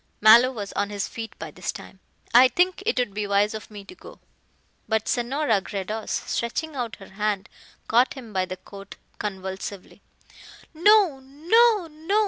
Mallow was on his feet by this time. "I think it would be wise of me to go." But Senora Gredos, stretching out her hand, caught him by the coat convulsively. "No! no! no!"